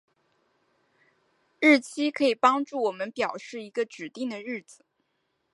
日期可以帮助我们表示一个指定的日子。